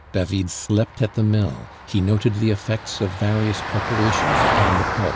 David slept at the mill; he noted the effects of various preparations upon the pulp.